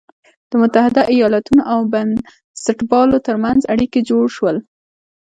د متحدو ایالتونو او بنسټپالو تر منځ اړیکي جوړ شول.